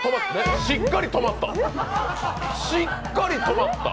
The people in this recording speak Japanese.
しっかり止まった。